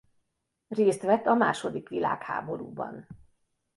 Részt vett a második világháborúban.